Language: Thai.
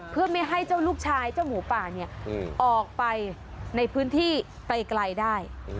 เพื่อไม่ให้เจ้าลูกชายเจ้าหมูป่าออกไปในพื้นที่ไกลได้